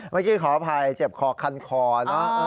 เมื่อกี้ขออภัยเจ็บคอคันคอนะ